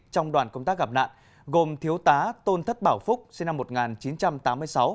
trong đoàn công tác gặp nạn gồm thiếu tá tôn thất bảo phúc sinh năm một nghìn chín trăm tám mươi sáu